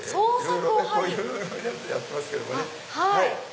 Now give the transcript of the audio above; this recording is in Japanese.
こういうやつやってますけどもね。